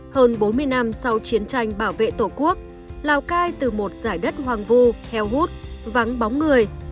hơn bốn mươi năm sau chiến tranh bảo vệ tổ quốc lào cai từ một giải đất hoang vu heo hút vắng bóng người